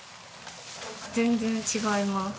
全然違います。